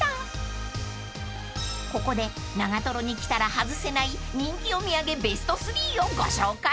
［ここで長瀞に来たら外せない人気お土産ベスト３をご紹介］